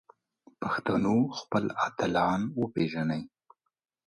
پښتنو خپل اتلان وپیژني